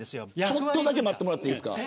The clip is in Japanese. ちょっと待ってもらっていいですか。